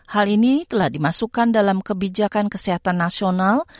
hal ini telah dimasukkan dalam kebijakan kesehatan nasional